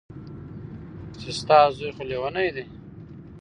چې ستا زوى خو ليونۍ دى.